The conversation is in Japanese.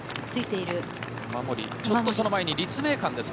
ちょっとその前に立命館ですね